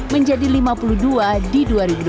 menjadi lima puluh dua di dua ribu dua puluh